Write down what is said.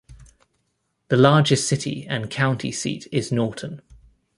The largest city and county seat is Norton.